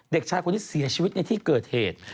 เด็กชายคนนี้เสียชีวิตในที่เกิดเหตุ